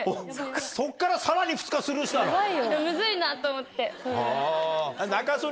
そっからさらに２日スルーしたの？と思って。